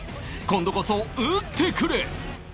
今度こそ打ってくれ！